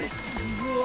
うわ。